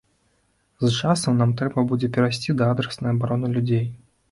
З часам нам трэба будзе перайсці да адраснай абароны людзей.